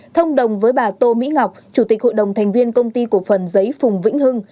thông đồng với bà tô mỹ ngọc chủ tịch hội đồng thành viên công ty cổ phần giấy phùng vĩnh hưng